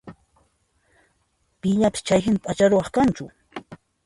Pillapis chayhina p'acha ruwaq kanchu?